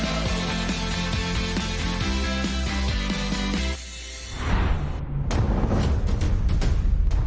สวัสดีครับ